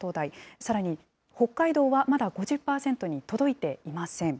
さらに北海道は、まだ５０％に届いていません。